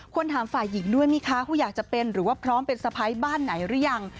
ถามฝ่ายหญิงด้วยไหมคะว่าอยากจะเป็นหรือว่าพร้อมเป็นสะพ้ายบ้านไหนหรือยัง